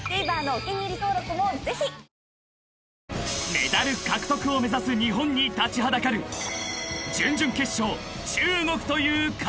［メダル獲得を目指す日本に立ちはだかる準々決勝中国という壁］